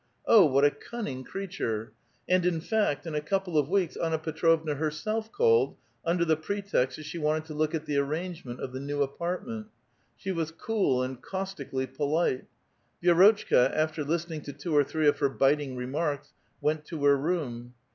Oh, what a cuiming creature ! And, in fact, in a couple of weeks Anna Petrovua herself called, under the pretext that she wanted to look at the arrangement of the new apartment. She was cool and caustically polite. Vie rotchka, after listening to two or three of her biting remarks, went to her room.